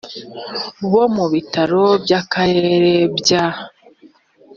bo mu bitaro by akarere bya